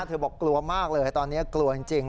บอกกลัวมากเลยตอนนี้กลัวจริง